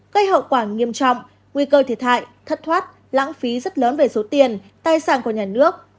gây hậu quả nghiêm trọng nguy cơ thiệt hại thất thoát lãng phí rất lớn về số tiền tài sản của nhà nước